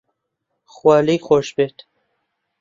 خوا لێی خۆش بێت